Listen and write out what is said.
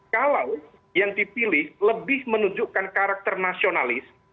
kalau yang dipilih lebih menunjukkan karakter nasionalis